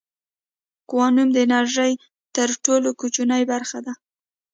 کوانوم د انرژۍ تر ټولو کوچنۍ برخه ده.